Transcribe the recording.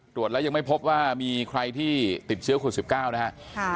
ตรวจแล้วยังไม่พบว่ามีใครที่ติดเชื้อโควิด๑๙นะฮะ